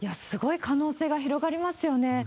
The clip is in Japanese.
すごい可能性が広がりますよね。